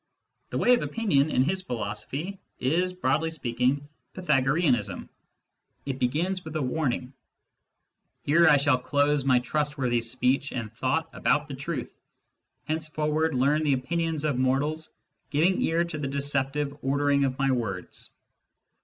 " The way of opinion," in his philosophy, is, broadly speaking, Pythagorean ism ; it begins with a warning :" Here I shall close my trust worthy speech and thought about the truth. Hence forward learn the opinions of mortals, giving ear to the deceptive ordering of my words."